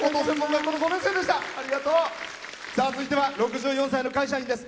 続いては６４歳の会社員です。